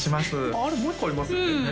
あれっもう一個ありますよね？